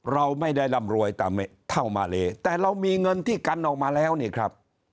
เราไม่ได้ร่ำรวยตามเท่ามาเลแต่เรามีเงินที่กันออกมาแล้วนี่ครับ